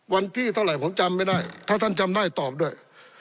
วันที่เท่าไหร่ผมจำไม่ได้ถ้าท่านจำได้ตอบด้วย